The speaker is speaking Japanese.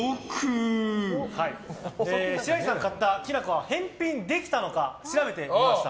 白石さんが買ったきな粉は返品できたのか調べてみました。